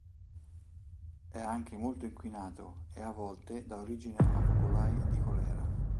È anche molto inquinato, e a volte dà origine a focolai di colera.